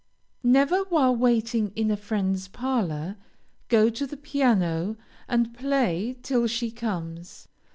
Never, while waiting in a friend's parlor, go to the piano and play till she comes.